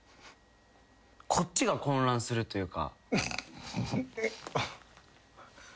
こっちが混乱するというか。